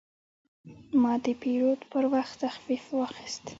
ما د پیرود پر وخت تخفیف واخیست.